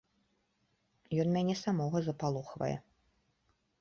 Ён мяне самога запалохвае.